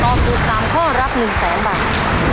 ตอบถูก๓ข้อรับ๑๐๐๐๐๐บาท